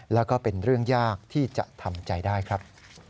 แล้วก็เป็นเรื่องยากที่จะทำใจได้ครับ